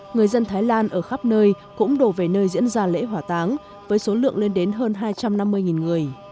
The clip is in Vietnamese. người dân thái lan ở khắp nơi cũng đổ về nơi diễn ra lễ hỏa táng với số lượng lên đến hơn hai trăm năm mươi người